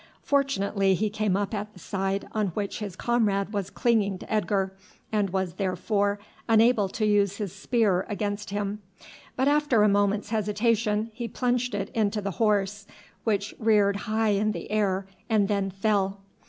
Fortunately he came up at the side on which his comrade was clinging to Edgar, and was therefore unable to use his spear against him; but after a moment's hesitation he plunged it into the horse, which reared high in the air and then fell.